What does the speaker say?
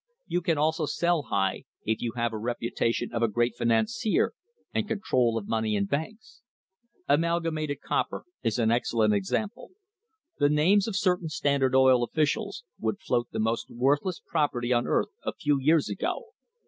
You can also sell high, if you have a reputation of a great financier, and control of money and banks. Amalga mated Copper is an excellent example. The names of certain Standard Oil officials would float the most worthless property on earth a few years ago.